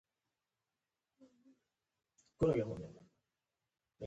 چي آنحضرت ص یې قلباً آزرده کړ.